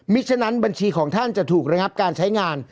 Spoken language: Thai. ฉะนั้นบัญชีของท่านจะถูกระงับการใช้งาน